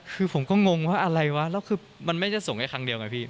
คือผมก็งงว่าอะไรวะแล้วคือมันไม่ได้ส่งแค่ครั้งเดียวไงพี่